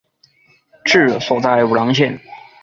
治所在武郎县。